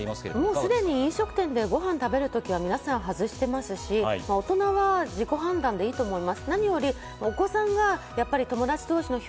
すでに飲食店でご飯を食べる時は皆さん外してますし、大人は自己判断でいいと思います。